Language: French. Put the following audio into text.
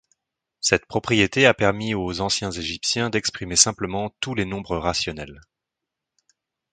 Cette propriété a permis aux anciens Égyptiens d'exprimer simplement tous les nombres rationnels.